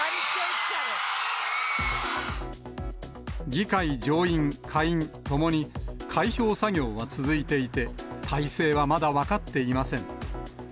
議会上院、下院ともに、開票作業が続いていて、大勢はまだ分かっていません。